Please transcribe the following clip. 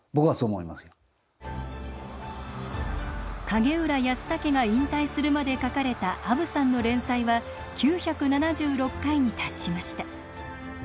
景浦安武が引退するまで描かれた「あぶさん」の連載は９７６回に達しました。